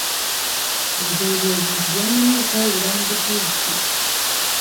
Nze ebyo ebintu byannema okwawula mu butuufu.